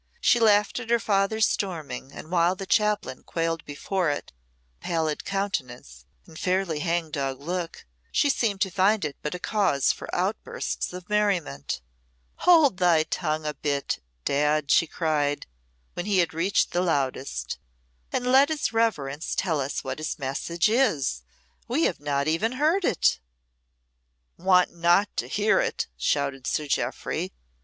She laughed at her father's storming, and while the chaplain quailed before it with pallid countenance and fairly hang dog look, she seemed to find it but a cause for outbursts of merriment. "Hold thy tongue a bit, Dad," she cried, when he had reached his loudest, "and let his reverence tell us what his message is. We have not even heard it." "Want not to hear it!" shouted Sir Jeoffry.